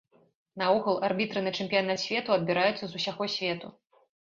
Наогул, арбітры на чэмпіянат свету адбіраюцца з усяго свету.